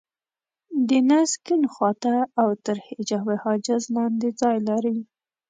د نس کيڼ خوا ته او تر حجاب حاجز لاندې ځای لري.